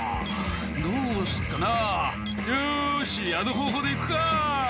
「どうすっかなよしあの方法でいくか」